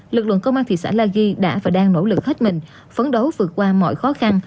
lực lượng công an thị xã la ghi đã và đang nỗ lực hết mình phấn đấu vượt qua mọi khó khăn